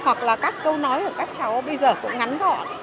hoặc là các câu nói của các cháu bây giờ cũng ngắn gọn